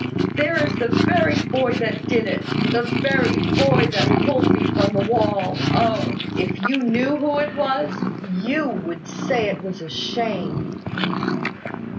There is the very boy that did it, the very boy that pulled me from the wall O! If you knew who it was, you would say it was a shame!"